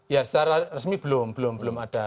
ya secara resmi belum belum ada